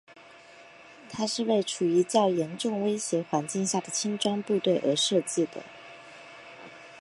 它是为处于较严重威胁环境下的轻装部队而设计的。